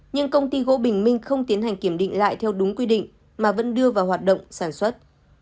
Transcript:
nhưng công ty gỗ bình minh không tiến hành kiểm định lại theo đúng quy định mà vẫn đưa vào hoạt động sản xuất